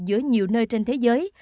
giữa nhiều nơi trên thế giới